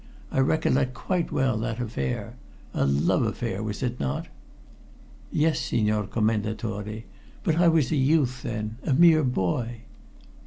I recollect quite well that affair a love affair, was it not?" "Yes, Signor Commendatore. But I was a youth then a mere boy."